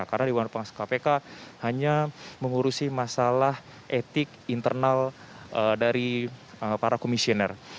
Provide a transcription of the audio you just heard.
karena dewan pengawas kpk hanya mengurusi masalah etik internal dari para komisioner